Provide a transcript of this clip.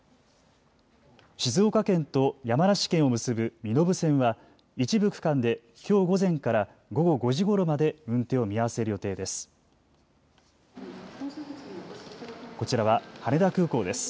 静岡県と山梨県を結ぶ身延線は一部区間できょう午前から午後５時ごろまで運転を見合わせる予定です。